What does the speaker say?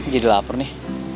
jadi lapar nih